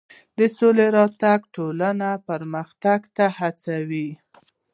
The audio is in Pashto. د سولې راتګ ټولنه پرمختګ ته هڅوي.